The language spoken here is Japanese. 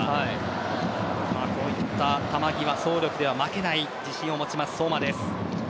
こういった球際走力では負けない自信を持ちます相馬です。